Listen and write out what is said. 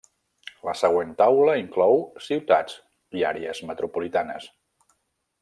La següent taula inclou ciutats i àrees metropolitanes.